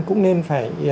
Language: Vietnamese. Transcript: cũng nên phải